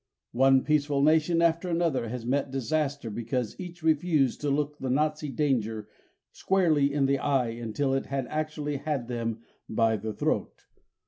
One peaceful nation after another has met disaster because each refused to look the Nazi danger squarely in the eye until it had actually had them by the throat.